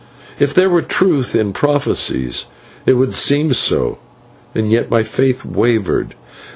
If there were truth in prophecies it would seem so, and yet my faith wavered.